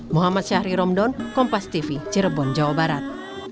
muhammad syahri romdon kompas tv cirebon jawa barat